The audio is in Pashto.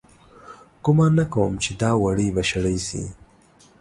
گومان نه کوم چې دا وړۍ به شړۍ سي